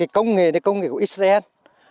công nghệ này công nghệ của xn